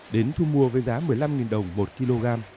đến thu mua với giá một mươi năm đồng một kg